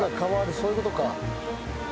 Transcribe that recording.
そういうことか。